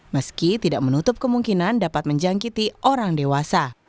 meski tidak menutup kemungkinan dapat menjangkiti orang dewasa